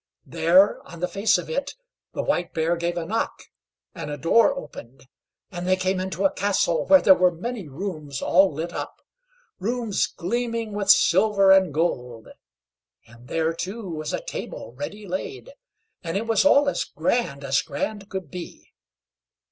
There, on the face of it, the White Bear gave a knock, and a door opened, and they came into a castle where there were many rooms all lit up; rooms gleaming with silver and gold; and there, too, was a table ready laid, and it was all as grand as grand could be.